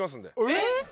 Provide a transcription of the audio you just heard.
えっ！